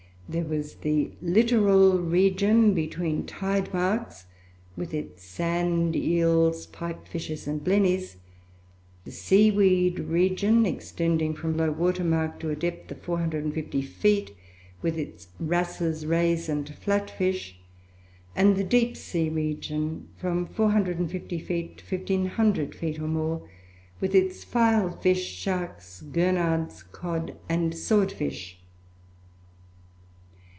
There was the littoral region between tide marks with its sand eels, pipe fishes, and blennies: the seaweed region, extending from low water mark to a depth of 450 feet, with its wrasses, rays, and flat fish; and the deep sea region, from 450 feet to 1500 feet or more, with its file fish, sharks, gurnards, cod, and sword fish.